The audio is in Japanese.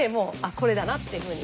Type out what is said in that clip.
これだなっていうふうに。